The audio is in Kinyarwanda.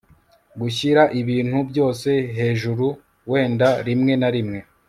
gushyira ibintu byose hejuru, wenda rimwe na rimwe